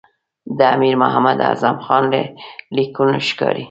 د امیر محمد اعظم خان له لیکونو ښکاري.